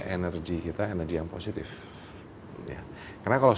pada waktu perninan kan di dalam classroom